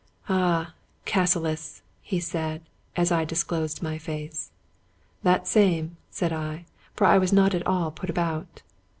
" Ah ! Cassilis !" he said, as I disclosed my face. " That same,'' said I ; for I was not at all put about.